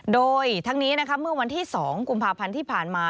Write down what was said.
โดยทั้งนี้เมื่อวันที่๒กุมภาพันธ์ที่ผ่านมา